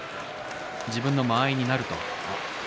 自分の間合いになると。